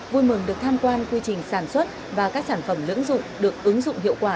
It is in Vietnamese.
vui mừng được tham quan quy trình sản xuất và các sản phẩm lưỡng dụng được ứng dụng hiệu quả